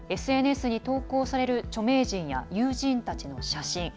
ＳＮＳに投稿される著名人や友人たちの写真。